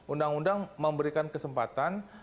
undang undang memberikan kesempatan